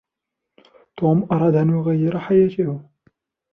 توم أراد أن يغير حياتهُ.